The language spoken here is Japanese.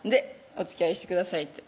「おつきあいしてください」